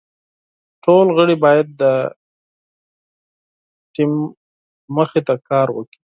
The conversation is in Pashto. ټول غړي باید د ټیم موخې ته کار وکړي.